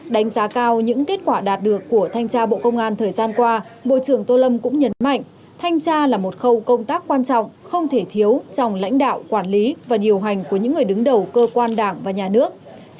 đánh giá cao những kết quả đạt được của thanh tra bộ công an thời gian qua bộ trưởng tô lâm cũng nhấn mạnh thanh tra là một khâu công tác quan trọng không thể thiếu trong lãnh đạo quản lý và điều hành của những người đứng đầu cơ quan đảng và nhà nước